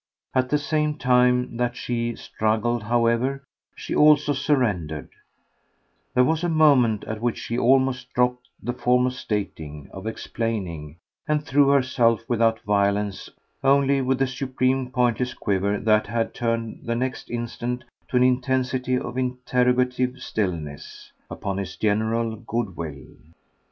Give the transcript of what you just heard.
At the same time that she struggled, however, she also surrendered; there was a moment at which she almost dropped the form of stating, of explaining, and threw herself, without violence, only with a supreme pointless quaver that had turned the next instant to an intensity of interrogative stillness, upon his general good will.